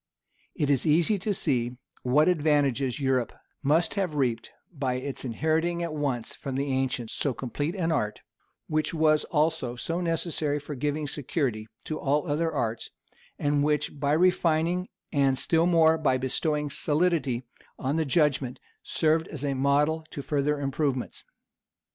It is easy to see what advantages Europe must have reaped by its inheriting at once from the ancients so complete an art, which was also so necessary for giving security to all other arts, and which by refining, and still more by bestowing solidity on the judgment, served as a model to further improvements.